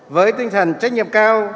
với tinh thần trách nhiệm cao